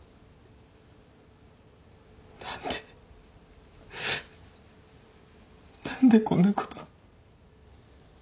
何で何でこんなこと。